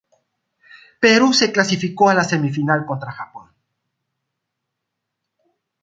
Perú se clasificó a la semifinal contra Japón.